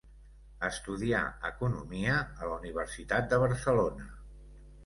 Estudià economia a la Universitat de Barcelona.